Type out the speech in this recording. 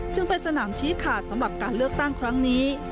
จึงเป็นสนามชี้ขาดสำหรับการเลือกตั้งครั้งนี้